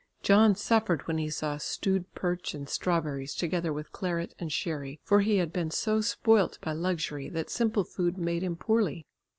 John suffered when he saw stewed perch and strawberries together with claret and sherry, for he had been so spoilt by luxury that simple food made him poorly.